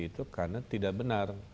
itu karena tidak benar